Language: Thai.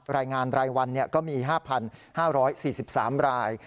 รายงานรายวันก็มี๕๕๔๓ราย